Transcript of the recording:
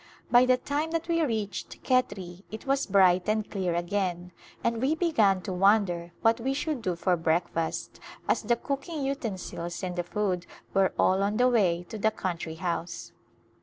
By the time that we reached Khetri it was bright and clear again and we began to wonder what we should do for breakfast as the cooking utensils and the food were all on the way to the country house.